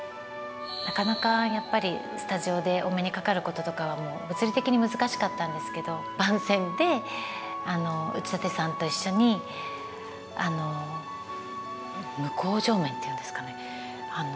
なかなかやっぱりスタジオでお目にかかることとかはもう物理的に難しかったんですけど番宣で内館さんと一緒に向こう正面というんですかね